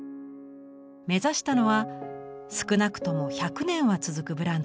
目指したのは少なくとも１００年は続くブランドです。